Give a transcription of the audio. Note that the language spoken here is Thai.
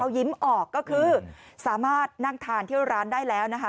ยิ้มออกก็คือสามารถนั่งทานที่ร้านได้แล้วนะคะ